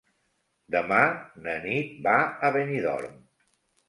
Demà na Nit va a Benidorm.